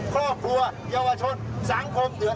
ครอบครัวยาวชนสังคมเดือนร้อน